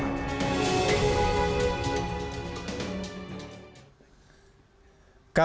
kepala badan ekonomi kreatif